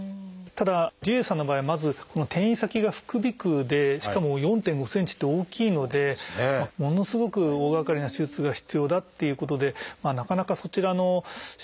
ただ氏家さんの場合はまずこの転移先が副鼻腔でしかも４．５ｃｍって大きいのでものすごく大がかりな手術が必要だっていうことでなかなかそちらの手術の適応というのは慎重になります。